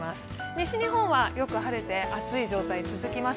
西日本はよく晴れて暑い状態が続きます。